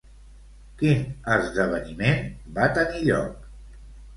Quin esdeveniment va tenir lloc?